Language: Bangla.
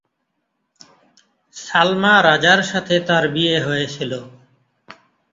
সালমা রাজার সাথে তার বিয়ে হয়েছিল।